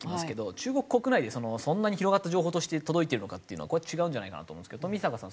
中国国内でそんなに広がった情報として届いているのかっていうのはこれは違うんじゃないかなって思うんですけど冨坂さん